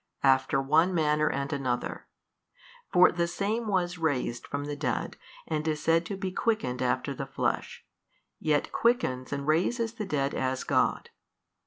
After one manner and another. For the Same was raised from the dead and is said to be quickened after the Flesh, yet quickens and raises the dead as God.